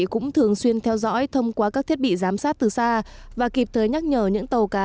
cũng thường xuyên theo dõi thông qua các thiết bị giám sát từ xa và kịp thời nhắc nhở những tàu cá